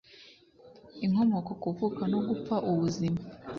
inkomoko kuvuka no gupfa ubuzima